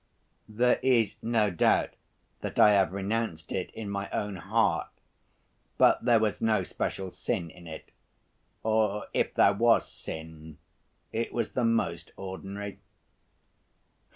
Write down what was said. "There is no doubt that I have renounced it in my own heart, but there was no special sin in that. Or if there was sin, it was the most ordinary."